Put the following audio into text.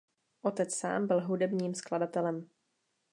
Otec sám byl hudebním skladatelem.